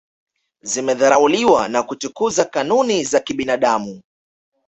zimedharauliwa na kutukuza kanuni za kibinadamu